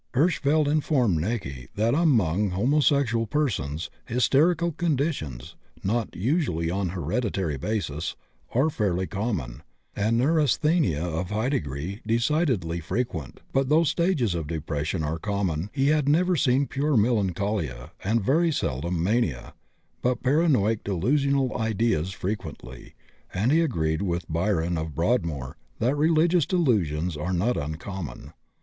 Hirschfeld informed Näcke that, among homosexual persons, hysterical conditions (not usually on hereditary basis) are fairly common, and neurasthenia of high degree decidedly frequent, but though stages of depression are common he had never seen pure melancholia and very seldom mania, but paranoiac delusional ideas frequently, and he agreed with Bryan of Broadmoor that religious delusions are not uncommon.